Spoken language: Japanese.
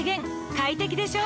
快適でしょ？